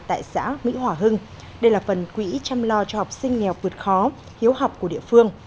tại xã mỹ hòa hưng đây là phần quỹ chăm lo cho học sinh nghèo vượt khó hiếu học của địa phương